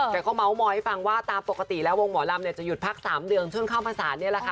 แกเขาเม้าหมอให้ฟังว่าตามปกติแล้ววงหมอลำจะหยุดพัก๓เดือนช่วงเข้าภาษาเนี่ยแหละค่ะ